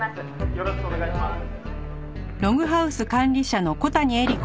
「よろしくお願いします」